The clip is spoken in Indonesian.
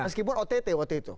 meskipun ott waktu itu